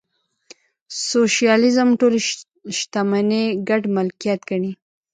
سوشیالیزم ټولې شتمنۍ ګډ ملکیت ګڼي.